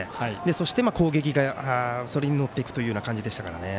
そして、攻撃がそれに乗っていくという感じでしたからね。